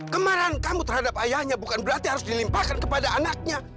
kemarahan kamu terhadap ayahnya bukan berarti harus dilimpahkan kepada anaknya